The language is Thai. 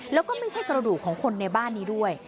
แล้วก็ไม่ใช่กระดูกของคนในบ้านนี้ด้วย